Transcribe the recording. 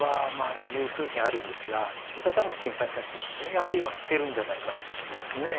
やはり減るんじゃないかっていう事ですね。